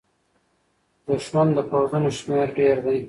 د دښمن د پوځونو شمېر ډېر دی.